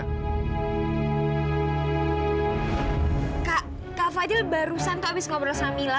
kak kak fadil barusan tuh abis ngobrol sama mila